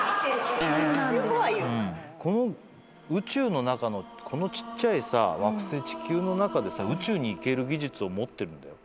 宇宙の中のこのちっちゃい惑星地球の中でさ宇宙に行ける技術を持ってるんだよ。